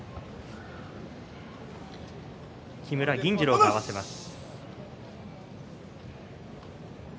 木村銀治郎が合わせます。